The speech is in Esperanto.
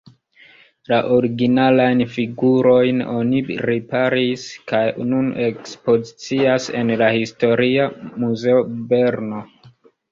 La originalajn figurojn oni riparis kaj nun ekspozicias en la historia muzeo Berno.